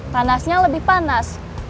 panasnya lebih panas